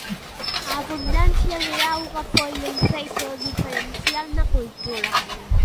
A abundancia de auga foi un feito diferencial na cultura galega.